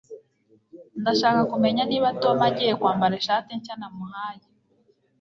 Ndashaka kumenya niba Tom agiye kwambara ishati nshya namuhaye